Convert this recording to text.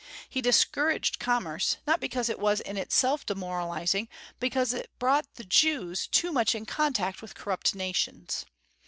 He discouraged commerce, not because it was in itself demoralizing, but because it brought the Jews too much in contact with corrupt nations.